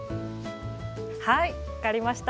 はい分かりました。